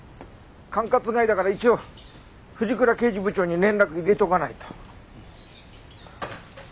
管轄外だから一応藤倉刑事部長に連絡入れておかないと。